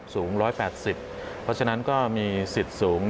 ๑๘๐เพราะฉะนั้นก็มีสิทธิ์สูง